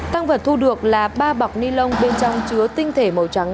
tăng vật thu được là ba bọc ni lông bên trong chứa tinh thể màu trắng